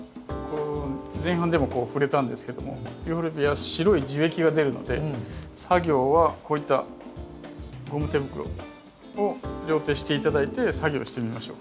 前半でも触れたんですけどもユーフォルビア白い樹液が出るので作業はこういったゴム手袋を両手して頂いて作業してみましょう。